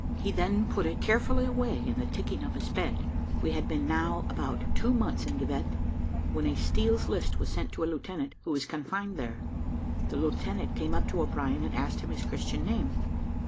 He then put it carefully away in the ticking of his bed. We had been now about two months in Givet, when a Steel's List was sent to a lieutenant, who was confined there. The lieutenant came up to O'Brien, and asked him his Christian name.